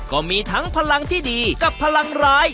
ก็มีทั้งพลังที่ดีกับพลังร้าย